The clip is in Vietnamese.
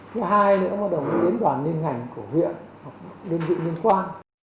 thứ hai nữa là đồng ý đến đoàn liên hành của huyện hoặc đơn vị liên quan